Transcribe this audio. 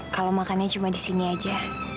kalau makannya cuma disini aja